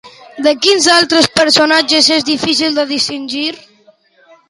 De quins altres personatges és difícil de distingir?